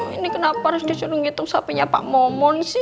ini kenapa harus disuruh ngitung sapinya pak momon sih